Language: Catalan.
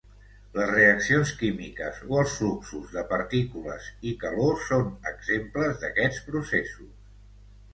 Les reaccions químiques o els fluxos de partícules i calor són exemples d'aquests processos.